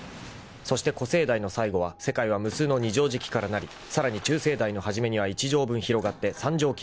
［そして古生代の最後は世界は無数の二畳敷きから成りさらに中生代の始めには一畳分広がって三畳紀が来る］